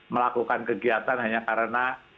melakukan kegiatan hanya karena